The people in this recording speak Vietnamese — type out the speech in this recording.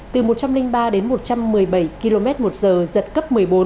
từ một trăm linh ba đến một trăm một mươi bảy km một giờ giật cấp một mươi bốn